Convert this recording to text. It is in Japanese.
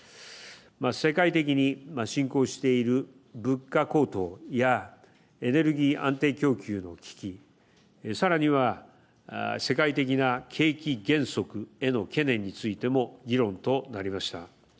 世界的に進行している物価高騰やエネルギー安定供給の危機さらには世界的な景気減速への懸念についても議論となりました。